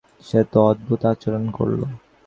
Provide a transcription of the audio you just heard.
সে তো অদ্ভুত আচরণ করলো।